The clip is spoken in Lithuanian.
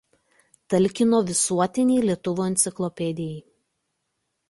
Talkino Visuotinei lietuvių enciklopedijai.